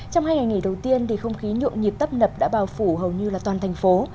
trong hai ngày nghỉ đầu tiên không khí nhộn nhịp tấp nập đã bào phủ hầu như toàn thành phố